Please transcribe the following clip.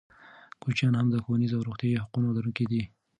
کوچیان هم د ښوونیزو او روغتیايي حقونو لرونکي دي.